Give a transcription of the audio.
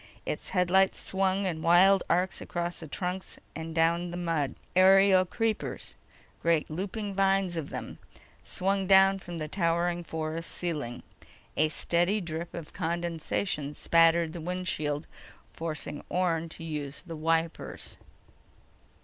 Its headlights swung in wild arcs across the trunks and down to the mud. Aerial creepers—great looping vines of them—swung down from the towering forest ceiling. A steady drip of condensation spattered the windshield, forcing Orne to use the wipers.